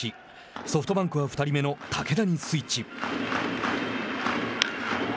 ソフトバンクは２人目の武田にスイッチ。